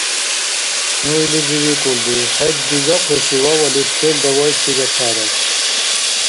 Ну илизи викӀулри: «ХӀед дигахъуси вавалис селра вайси бетхӀерар…»